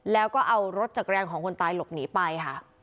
แล้วก็เอารถจักรยานของคนตายหลบหนีไปค่ะ